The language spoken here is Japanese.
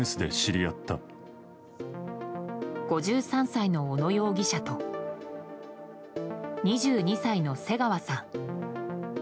５３歳の小野容疑者と２２歳の瀬川さん。